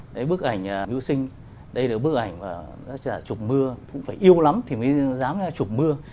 đấy bức ảnh miu sinh đây là bức ảnh mà tác giả chụp mưa cũng phải yêu lắm thì mới dám chụp mưa